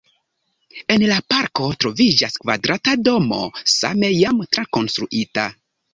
En la parko troviĝas kvadrata domo, same jam trakonstruita.